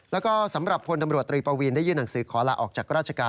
แล้วก็สำหรับพลตำรวจตรีปวีนได้ยื่นหนังสือขอลาออกจากราชการ